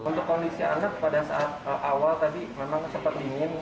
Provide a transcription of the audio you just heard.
untuk kondisi anak pada saat awal tadi memang sempat dingin